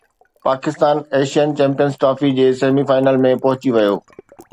Pakistan Asian champions trophy جي semi final ۾ پهچي ويو